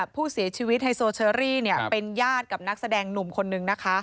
ผู้เสียชีวิตไฮโซเชอรี่เป็นญาติกับนักแสดงหนุ่มคนนึงนะคะ